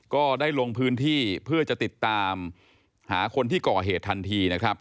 ก็ได้ลงพื้นที่เพื่อจะติดตามหาคนที่ก่อเหตุทันทีนะครับ